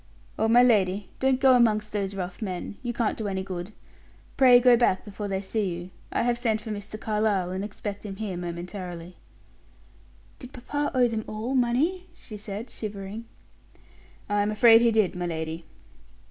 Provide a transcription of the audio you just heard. "Oh, my lady, don't go amongst those rough men! You can't do any good; pray go back before they see you. I have sent for Mr. Carlyle, and expect him here momentarily." "Did Papa owe them all money?" she said, shivering. "I'm afraid he did, my lady."